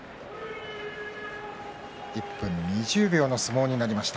１分２０秒の相撲になりました。